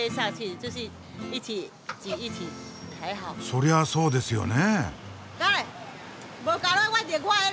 そりゃそうですよね。